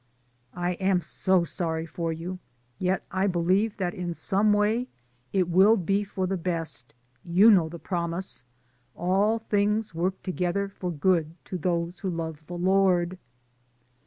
"I am so sorry for you, yet I believe that in some way it will be for the best, you know the promise, 'All things work together for good, to those who love the Lord.'